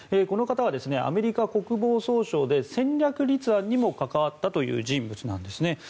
この方はアメリカ国防総省で戦略立案にも関わったという人物なんですね。